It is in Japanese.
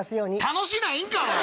楽しないんか！